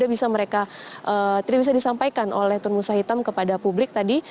jadi bisa mereka tidak bisa disampaikan oleh tun musa hitam kepada publik tadi